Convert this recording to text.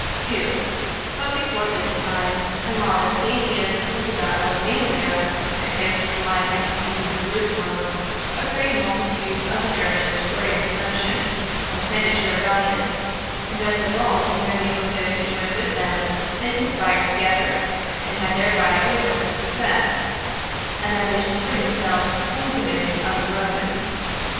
2. But before this time, and while Vespasian was about Alexandria, and Titus was lying at the siege of Jerusalem, a great multitude of the Germans were in commotion, and tended to rebellion; and as the Gauls in their neighborhood joined with them, they conspired together, and had thereby great hopes of success, and that they should free themselves from the dominion of the Romans.